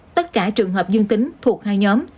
tất cả trường hợp dương tính thuộc hai nhóm